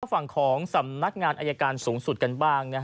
ฝั่งของสำนักงานอายการสูงสุดกันบ้าง